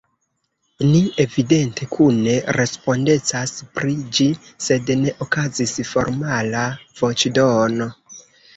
Ni evidente kune respondecas pri ĝi, sed ne okazis formala voĉdono.